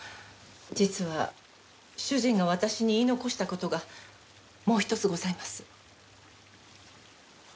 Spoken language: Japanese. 実は主人が私に言い残した事がもう１つございます。